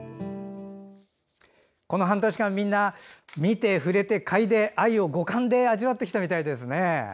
この半年間みんな見て、触れて、かいで藍を五感で味わってきたみたいですね。